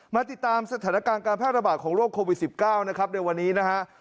มาติดตามสถานการณ์การแพร่ระบาดของโรคโควิด๑๙นะครับในวันนี้นะฮะ